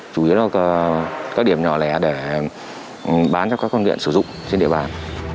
chủ yếu là các điểm nhỏ lẻ để bán cho các con nghiện sử dụng trên địa bàn